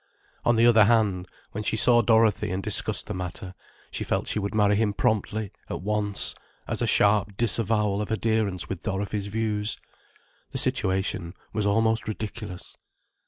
On the other hand, when she saw Dorothy, and discussed the matter, she felt she would marry him promptly, at once, as a sharp disavowal of adherence with Dorothy's views. The situation was almost ridiculous.